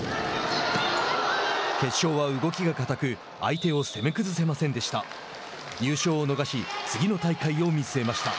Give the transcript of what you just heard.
決勝は動きがかたく相手を攻め崩せませんでした。